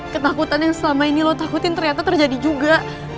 ketakutan yang selama ini lo takutin ternyata terjadi juga